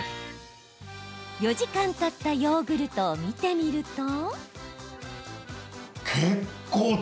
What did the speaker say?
４時間たったヨーグルトを見てみると。